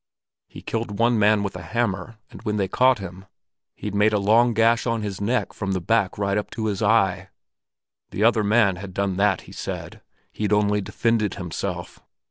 He killed one man with a hammer, and when they caught him, he'd made a long gash on his neck from the back right up to his eye. The other man had done that, he said; he'd only defended himself.